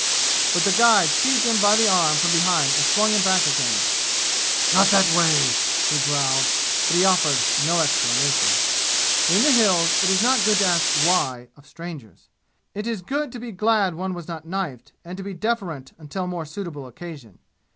But the guide seized him by the arm from behind and swung him back again. "Not that way!" he growled. But he offered no explanation. In the "Hills" it is not good to ask "why" of strangers. It is good to be glad one was not knifed, and to be deferent until more suitable occasion.